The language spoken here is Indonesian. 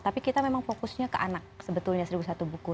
tapi kita memang fokusnya ke anak sebetulnya seribu satu buku